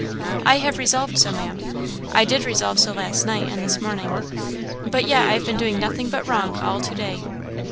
"I have resolved so, Maam I did resolve so last night and this morning; but yet I have been doing nothing but wrong all to day."